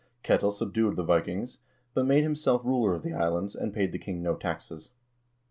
Ketil subdued the Vikings, but made himself ruler of the islands, and paid the king no taxes.